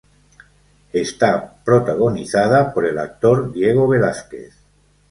Está protagonizada por el actor Diego Velázquez.